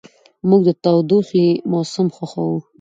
موږ د تودوخې موسم خوښوو.